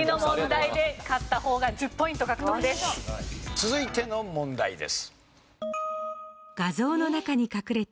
続いての問題です。